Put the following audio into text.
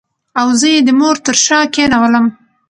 او زه یې د مور تر شا کېنولم.